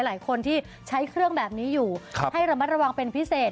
หลายคนที่ใช้เครื่องแบบนี้อยู่ให้ระมัดระวังเป็นพิเศษ